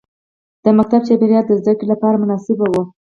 د ښوونځي چاپېریال د زده کړې لپاره مناسب و.